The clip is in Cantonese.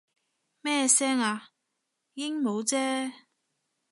咩聲啊？鸚鵡啫